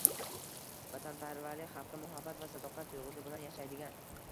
vatanparvarlik, xalqqa muhabbat va sadoqat tuyg‘usi bilan yashaydigan